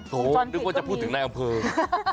โถนึกว่าจะพูดถึงในน้๋อมเพลง